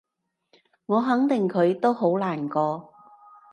我肯定佢都好難過